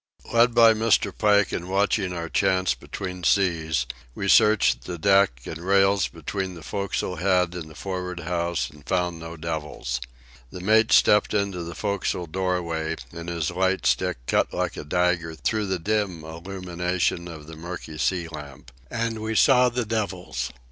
Led by Mr. Pike and watching our chance between seas, we searched the deck and rails between the forecastle head and the for'ard house and found no devils. The mate stepped into the forecastle doorway, and his light stick cut like a dagger through the dim illumination of the murky sea lamp. And we saw the devils.